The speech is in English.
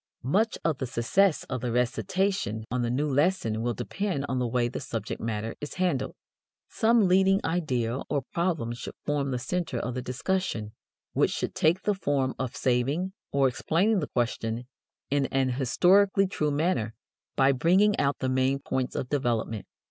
Much of the success of the recitation on the new lesson will depend on the way the subject matter is handled. Some leading idea or problem should form the center of the discussion, which should take the form of saving or explaining the question in an historically true manner by bringing out the main points of development.